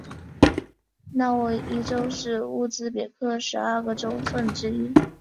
纳沃伊州是乌兹别克十二个州份之一。